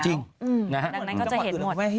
ดังนั้นก็จะเห็นหมด